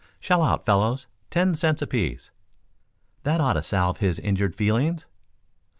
"Shell out, fellows. Ten cents apiece. That ought to salve his injured feelings."